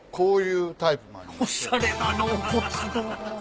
おしゃれな納骨堂。